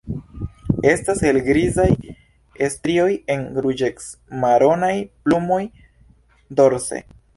Estas helgrizaj strioj en ruĝec-maronaj plumoj dorse.